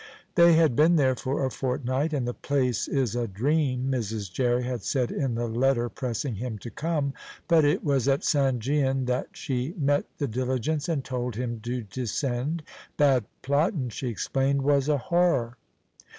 They had been there for a fortnight, and "the place is a dream," Mrs. Jerry had said in the letter pressing him to come; but it was at St. Gian that she met the diligence and told him to descend. Bad Platten, she explained, was a horror.